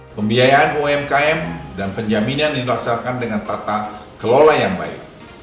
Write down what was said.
pembiayaan umkm dan penjaminan dilaksanakan dengan tata kelola yang baik